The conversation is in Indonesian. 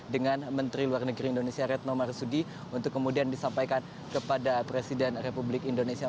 dengan menteri luar negeri indonesia retno marsudi untuk kemudian disampaikan kepada presiden republik indonesia